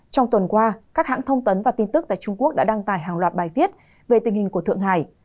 trong tuần qua các hãng thông tấn và tin tức tại trung quốc đã đăng tải hàng loạt bài viết về tình hình của thượng hải